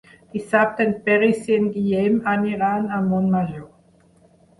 Dissabte en Peris i en Guillem aniran a Montmajor.